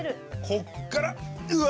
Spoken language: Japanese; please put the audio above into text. こっからうわっ！